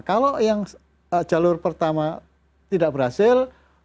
kalau yang jalur pertama tidak berhasil